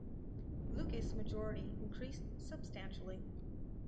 Lucas’ majority increased substantially.